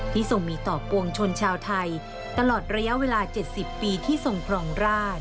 ทรงมีต่อปวงชนชาวไทยตลอดระยะเวลา๗๐ปีที่ทรงครองราช